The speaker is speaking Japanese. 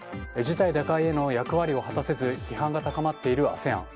事態打開への役割を果たせず批判が高まっているＡＳＥＡＮ。